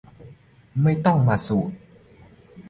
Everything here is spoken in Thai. ไม่ต้องมาสูตร